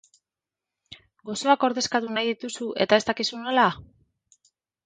Gozoak ordezkatu nahi dituzu eta ez dakizu nola?